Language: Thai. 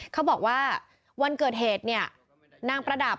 เขาบอกว่าวันเกิดเหตุเนี่ยนางประดับ